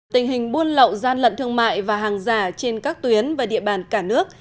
tình hình buôn lậu gian lận thương mại và hàng giả trên các tuyến và địa bàn cả nước